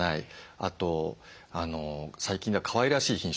あと最近ではかわいらしい品種ですね。